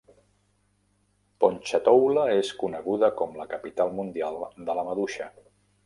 Ponchatoula és coneguda com la "capital mundial de la maduixa".